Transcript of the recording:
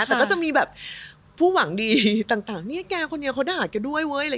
แต่ก็จะมีแบบผู้หวังดีต่างเนี่ยแกคนเดียวเขาด่าแกด้วยเว้ยอะไร